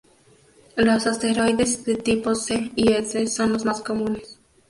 Los asteroides de tipos C y S son los más comunes.